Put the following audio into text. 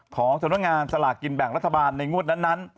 ของสำนักงานสลากกินแบ่งรัฐบาลในงวดนั้น